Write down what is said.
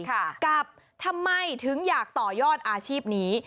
กับทำไมถึงอยากต่อยอดอาชีพนี้